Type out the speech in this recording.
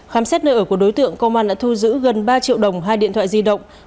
khám xét nơi ở của đối tượng công an đã thu giữ gần ba triệu đồng hai điện thoại di động